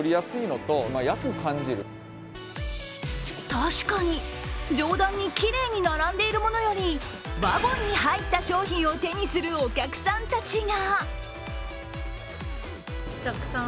確かに、上段にきれいに並んでいるものよりワゴンに入った商品を手にするお客さんたちが。